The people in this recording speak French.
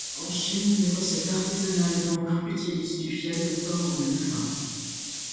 En Chine, les recettes artisanales d'encre utilisent du fiel de porc aux mêmes fins.